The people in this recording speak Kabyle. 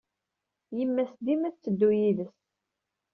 Yemma-s dima tetteddu yid-s.